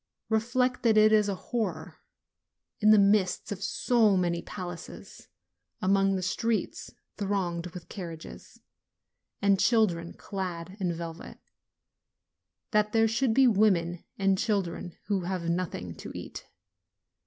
Reflect, that it is a horror, in the midst of so many palaces, along the streets thronged with carriages, and children clad in velvet, that there should be women and children who have nothing to eat.